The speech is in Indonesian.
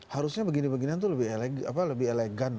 harusnya begini beginian tuh lebih elegan lah